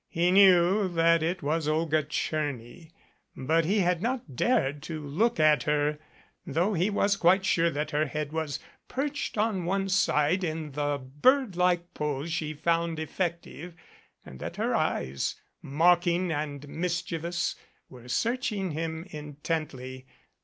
He knew that it was Olga Tcherny, but he had not dared to look at her, though he was quite sure that her head was perched on one side in the birdlike pose she found effec tive, and that her eyes, mocking and mischievous, were searching him intently.